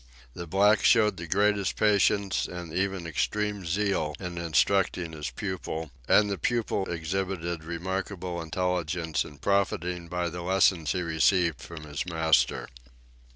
The black showed the greatest patience and even extreme zeal in instructing his pupil, and the pupil exhibited remarkable intelligence in profiting by the lessons he received from his master.